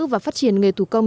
và phát triển nghề thủ công